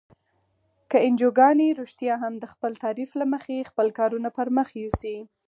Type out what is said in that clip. که انجوګانې رښتیا هم د خپل تعریف له مخې خپل کارونه پرمخ یوسي.